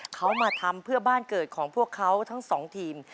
เขามาทำเพื่อบ้านเกิดของพวกเขาทั้งสองทีม